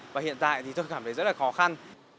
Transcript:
và hiện tại thì tôi cảm thấy rất là khó khăn